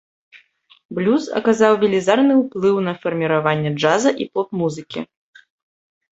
Блюз аказаў велізарны ўплыў на фарміраванне джаза і поп-музыкі.